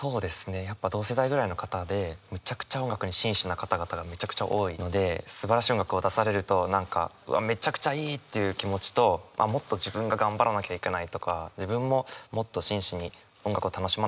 やっぱ同世代ぐらいの方でむちゃくちゃ音楽に真摯な方々がむちゃくちゃ多いのですばらしい音楽を出されると何かうわめちゃくちゃいい！っていう気持ちともっと自分が頑張らなきゃいけないとか自分ももっと真摯に音楽を楽しまなきゃいけないなと思う。